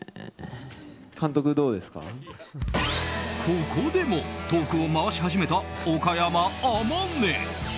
ここでもトークを回し始めた岡山天音。